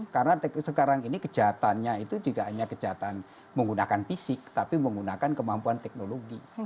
karena sekarang ini kejahatannya itu tidak hanya kejahatan menggunakan fisik tapi menggunakan kemampuan teknologi